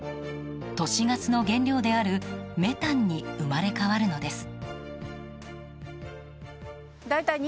都市ガスの原料であるメタンに生まれ変わるのです。